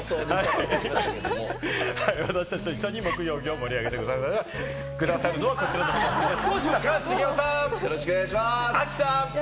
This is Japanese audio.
私達と一緒に木曜日を盛り上げて下さるのは、こちらの皆さんです。